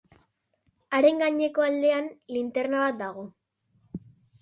Haren gaineko aldean, linterna bat dago.